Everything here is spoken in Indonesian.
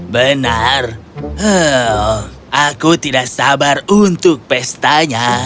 benar aku tidak sabar untuk pestanya